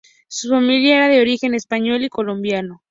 Su familia era de origen español y colombiano.